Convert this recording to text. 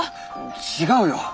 違うよ！